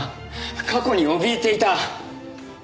過去におびえていた。